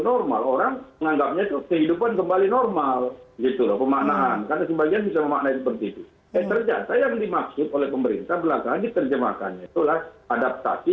normal kemarin normal gitu pemberian kata kata sebagai cepat ini hai lagi terjemahkan adaptasi